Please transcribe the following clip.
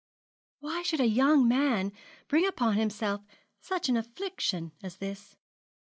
'Why should a young man bring upon himself such an affliction as this?'